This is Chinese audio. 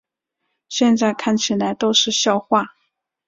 现在看起来都是笑话